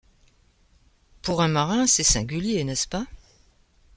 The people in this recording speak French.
Pour un marin, c’est singulier, n’est-ce pas ?